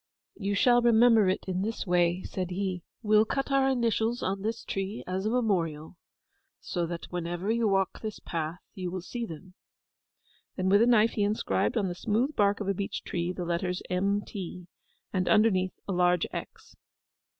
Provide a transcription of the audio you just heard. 'You shall remember it in this way,' said he. 'We'll cut our initials on this tree as a memorial, so that whenever you walk this path you will see them.' Then with a knife he inscribed on the smooth bark of a beech tree the letters M.T., and underneath a large X.